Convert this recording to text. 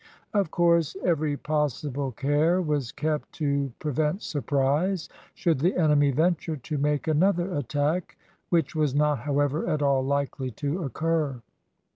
Of course, every possible care was kept to prevent surprise, should the enemy venture to make another attack; which was not, however, at all likely to occur.